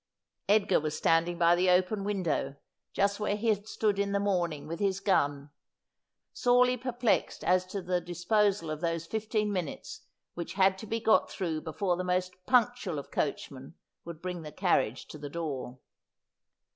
Edgar was standing by the open window, just where he had 140 Asphodel. stood in the morning with his gun, sorely perplexed as to the disposal of those fifteen minutes which had to be got through before the most punctual of coachmen would bring the carriage to the door.